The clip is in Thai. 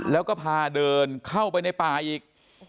แล้วก็พาเดินเข้าไปในป่าอีก